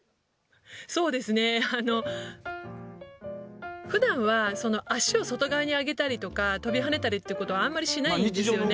「そうですねあのふだんは足を外側に上げたりとか飛び跳ねたりってことあんまりしないんですよね。